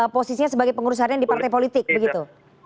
posisinya sebagai pengurus harian di partai politik begitu